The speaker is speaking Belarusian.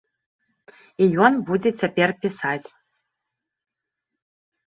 І ён будзе цяпер пісаць.